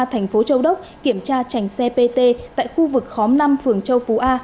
thành phố châu đốc kiểm tra chành xe pt tại khu vực khóm năm phường châu phú a